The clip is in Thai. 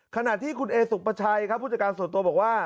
ขณะที่คุณเอสุปชัยครับผู้จัดการส่วนตัวบอกว่า